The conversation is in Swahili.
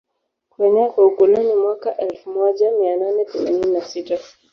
Kuenea kwa ukoloni Mwaka elfu moja mia nane themanini na sita